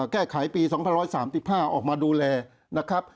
แก้ไขปี๒๓๕ออกมาดูแลนะครับ